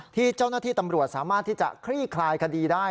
ที่เจ้าหน้าที่ตำรวจสามารถที่จะคลี่คลายคดีได้